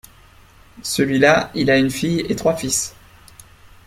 Celui-là il a une fille et trois fils.